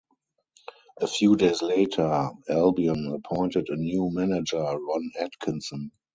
A few days later, Albion appointed a new manager, Ron Atkinson.